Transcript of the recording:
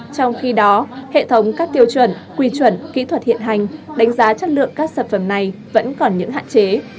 trong khi đó hệ thống các tiêu chuẩn quy chuẩn kỹ thuật hiện hành đánh giá chất lượng các sản phẩm này vẫn còn những hạn chế